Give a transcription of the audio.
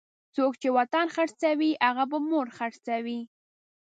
څوک چې وطن خرڅوي هغه به مور خرڅوي.